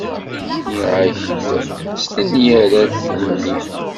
Nniɣ-ak-d stenyi arrat-nni.